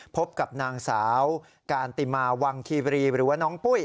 พบกับนางสาวการติมาวังคีบรีหรือว่าน้องปุ้ย